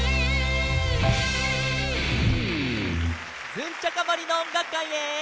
ズンチャカもりのおんがくかいへ。